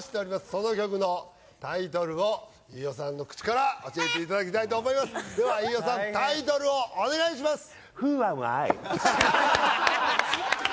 その曲のタイトルを飯尾さんの口から教えていただきたいと思いますでは飯尾さんタイトルをお願いしますＷｈｏａｍＩ？